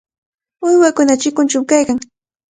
Uywakunaqa chikunchawnami kaykan.